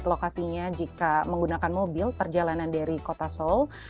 lokasinya jika menggunakan mobil perjalanan dari kota seoul